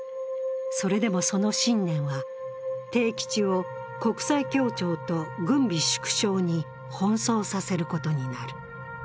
それでも、その信念は悌吉を国際協調と軍備縮小に奔走させることになる。